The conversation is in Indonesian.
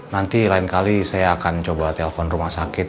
nanti lain kali saya akan coba telepon rumah sakit